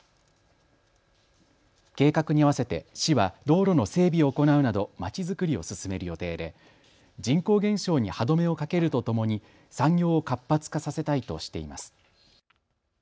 計画にあわせて市は道路の整備行うなどまちづくりを進める予定で人口減少に歯止めをかけるとともに産業を活発化させたいとしています。